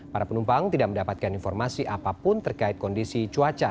para penumpang tidak mendapatkan informasi apapun terkait kondisi cuaca